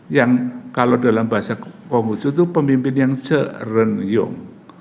yang kalau dalam bahasa konghucu itu pemimpin yang ceren yong